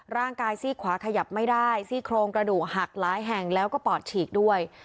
ซี่ขวาขยับไม่ได้ซี่โครงกระดูกหักหลายแห่งแล้วก็ปอดฉีกด้วย